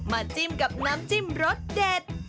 จิ้มกับน้ำจิ้มรสเด็ด